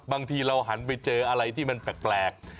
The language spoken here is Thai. บางทีเราหันไปเจออะไรที่มันแปลก